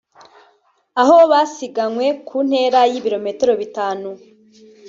aho basiganwe ku ntera y’Ibirometero bitanu